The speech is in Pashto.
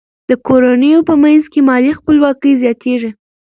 د کورنیو په منځ کې مالي خپلواکي زیاتیږي.